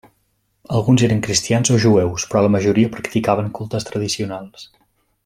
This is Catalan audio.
Alguns eren cristians o jueus però la majoria practicaven cultes tradicionals.